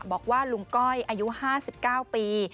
บอกว่าลุงก้อยอายุ๕๙ปี